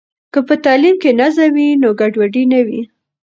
که په تعلیم کې نظم وي، نو ګډوډي نه وي.